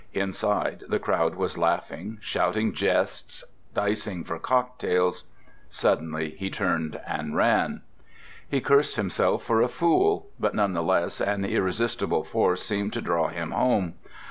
Inside, the crowd was laughing, shouting jests, dicing for cocktails. Suddenly he turned and ran. He cursed himself for a fool, but none the less an irresistible force seemed to draw him home.